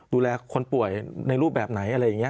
ดูแลคนป่วยในรูปแบบไหนอะไรอย่างนี้